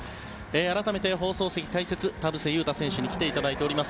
改めて、放送席解説田臥勇太選手に来ていただいております。